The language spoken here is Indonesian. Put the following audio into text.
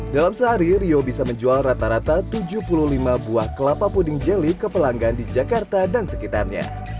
dalam sehari rio bisa menjual rata rata tujuh puluh lima buah kelapa puding jeli ke pelanggan di jakarta dan sekitarnya